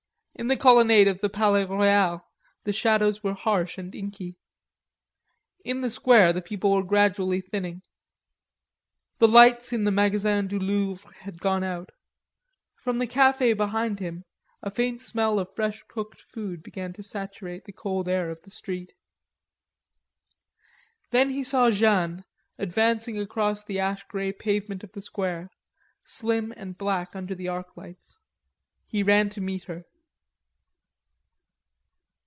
In the Colonnade of the Palais Royal the shadows were harsh and inky. In the square the people were gradually thinning. The lights in the Magazin du Louvre had gone out. From the cafe behind him, a faint smell of fresh cooked food began to saturate the cold air of the street. Then he saw Jeanne advancing across the ash grey pavement of the square, slim and black under the arc lights. He ran to meet her.